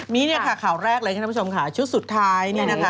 มีข่าวแรกแล้วคุณผู้ชมชุดสุดท้าย